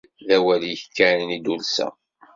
d awal-ik kan i d-ulseɣ.